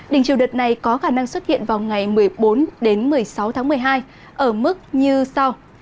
đỉnh chiều đợt này có khả năng xuất hiện vào ngày một mươi bốn đến một mươi sáu tháng một mươi hai ở mức như sau